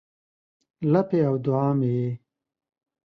لپې او دوعا مې یې